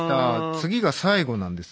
次が最後なんですね。